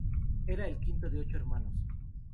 Era el quinto de ocho hermanos.